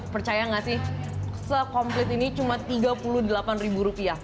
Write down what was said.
percaya nggak sih sekomplet ini cuma tiga puluh delapan ribu rupiah